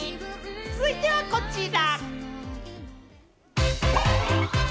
続いてはこちら。